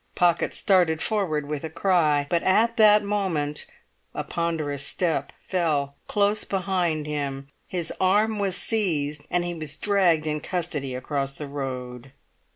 Pocket started forward with a cry; but at that moment a ponderous step fell close behind him; his arm was seized, and he was dragged in custody across the road.